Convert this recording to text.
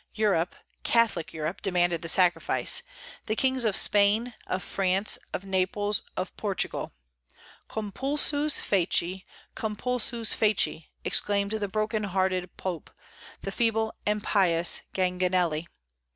Europe, Catholic Europe, demanded the sacrifice, the kings of Spain, of France, of Naples, of Portugal. Compulsus feci, compulsus feci, exclaimed the broken hearted Pope, the feeble and pious Ganganelli.